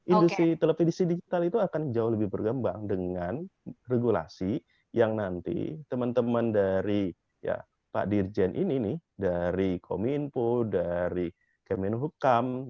industri televisi digital itu akan jauh lebih bergembang dengan regulasi yang nanti teman teman dari pak dirjen ini nih dari kominfo dari kemenhukam